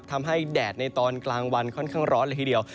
แดดในตอนกลางวันค่อนข้างร้อนเลยทีเดียว